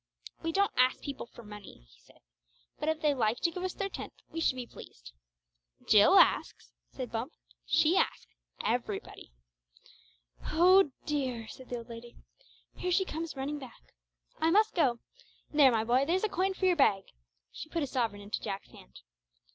"We don't ask people for money," he said; "but if they like to give us their tenth we should be pleased." "Jill asks," said Bumps. "She asks everybody!" "Oh, dear!" said the old lady, "here she comes running back! I must go. There, my boy, there's a coin for your bag!" She put a sovereign into Jack's hand.